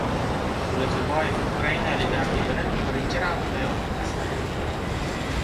Ro‘ziboyev ukrainalik raqibini birinchi raunddayoq taslim etdi